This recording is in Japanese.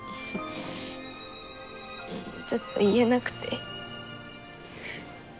ずっと言えなくて。